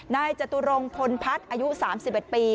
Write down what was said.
จตุรงพลพัฒน์อายุ๓๑ปี